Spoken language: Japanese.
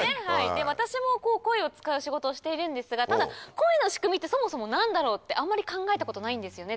私も声を使う仕事をしているんですがただ声の仕組みってそもそも何だろうってあんまり考えたことないんですよね。